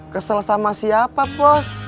kesel sama siapa bos